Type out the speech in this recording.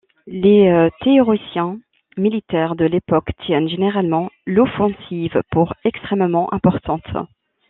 Les théoriciens militaires de l'époque tiennent généralement l'offensive pour extrêmement importante.